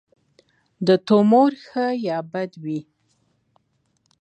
د تومور ښه یا بد وي.